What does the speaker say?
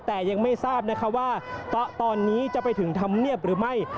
แต่ยังไม่ทราบนะคะว่าตอนนี้จะไปถึงธรรมเนียบหรือไม่